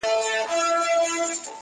یو ځوان د افغانیت په نامه راغوښتې ده